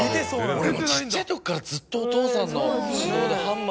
俺もうちっちゃい時からずっとお父さんの指導で。